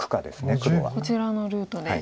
こちらのルートで。